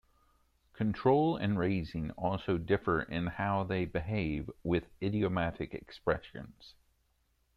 Control and raising also differ in how they behave with idiomatic expressions.